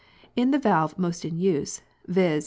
In the valve most in use, viz.